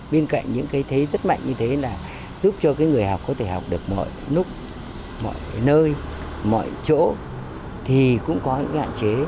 bên cạnh những cái thế rất mạnh như thế là giúp cho cái người học có thể học được mọi lúc mọi nơi mọi chỗ thì cũng có những hạn chế